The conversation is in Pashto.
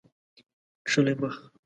کښلی مخ